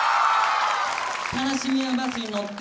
「悲しみはバスに乗って」。